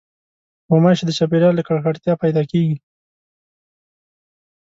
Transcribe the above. غوماشې د چاپېریال له ککړتیا پیدا کېږي.